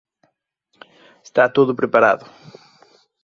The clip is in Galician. Está todo preparado.